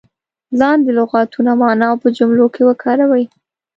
لاندې لغتونه معنا او په جملو کې وکاروئ.